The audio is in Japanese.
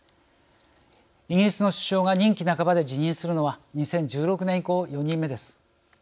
イギリスの首相が任期半ばで辞任するのは２０１６年以降４人目です。